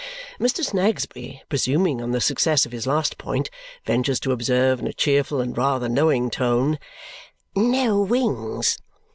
Mr. Snagsby, presuming on the success of his last point, ventures to observe in a cheerful and rather knowing tone, "No wings."